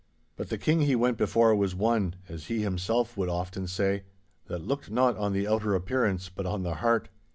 But the King he went before was One, as he himself would often say, that looked not on the outer appearance but on the heart.